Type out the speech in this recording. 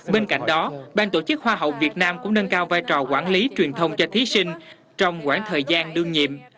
bên cạnh đó bàn tổ chức hoa hậu việt nam cũng nâng cao vai trò quản lý truyền thông cho thí sinh trong quãng thời gian đương nhiệm